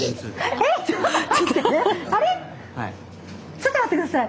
ちょっと待って下さい。